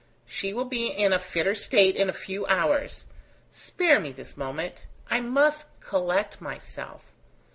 She will be in a fitter state in a few hours. Spare me this moment; I must collect myself.